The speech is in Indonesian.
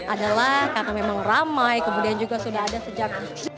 adalah karena memang ramai kemudian juga sudah ada sejak seribu sembilan ratus tujuh puluh delapan